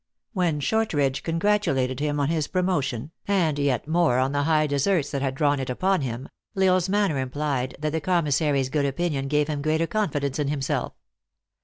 When Shortridge congratulated him on his promotion, and yet more on the high de serts that had drawn it upon him, L Isle s manner implied that the commissary s good opinion gave him greater confidence in himself.